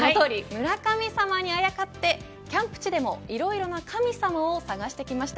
村神様にあやかってキャンプ地でもいろいろな神様を探してきました。